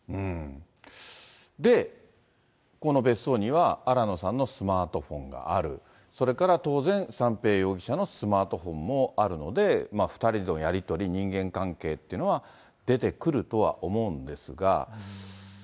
で、この別荘には、新野さんのスマートフォンがある、それから当然、三瓶容疑者のスマートフォンもあるので、２人のやり取り、人間関係っていうのは出てくるとは思うんですが。